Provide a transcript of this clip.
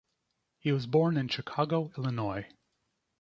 He was born in Chicago, Illinois.